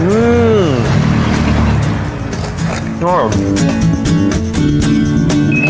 อื้อออว